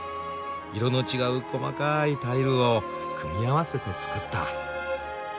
色の違う細かいタイルを組み合わせて作った。